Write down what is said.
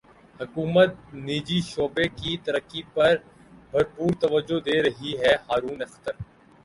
حکومت نجی شعبے کی ترقی پر بھرپور توجہ دے رہی ہے ہارون اختر